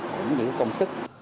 cũng như công sức